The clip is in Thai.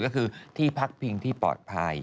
ก็คือที่พักพิงที่ปลอดภัย